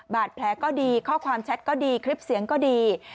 บาดแผลก็ดีข้อความแชทก็ดีคลิปเสียงก็ดี